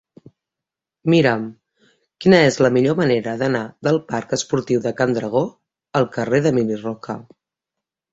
Mira'm quina és la millor manera d'anar del parc Esportiu de Can Dragó al carrer d'Emili Roca.